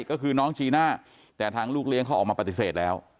ก็คือน้องจีน่าแต่ทางลูกเลี้ยงเขาออกมาปฏิเสธแล้ว